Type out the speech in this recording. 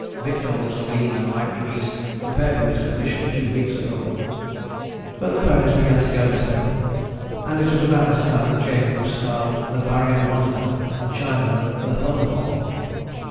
Victor looks a lean and lanky beast compared with his condition two weeks ago." But the ponies began to go better; and it was about this time that Jehu was styled the Barrier Wonder, and Chinaman the Thunderbolt.